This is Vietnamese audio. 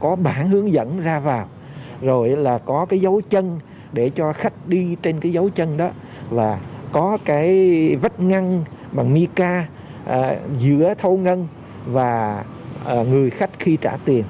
có bảng hướng dẫn ra vào rồi là có cái dấu chân để cho khách đi trên cái dấu chân đó là có cái vách ngăn bằng nica giữa thâu ngân và người khách khi trả tiền